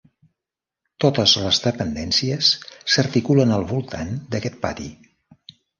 Totes les dependències s'articulen al voltant d'aquest pati.